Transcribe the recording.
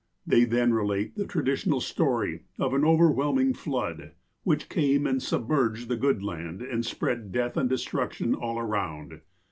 "They then relate the traditional story of an overwhelming flood, which came and submerged the good land, and spread death and destruction all around.